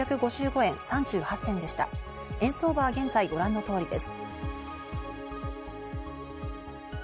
円相場は現在ご覧の通りです。